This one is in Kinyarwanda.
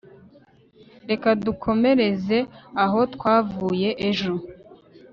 reka dukomereze aho twavuye ejo